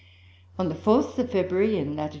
On the 4th of February, in lat.